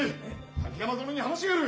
・滝山殿に話がある！